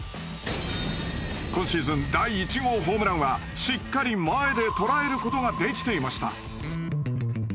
今シーズン第１号ホームランはしっかり前で捉えることができていました。